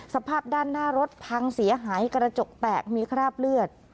สภาพด้านหน้ารถพังเสียหายกระจกแตกมีคราบเลือด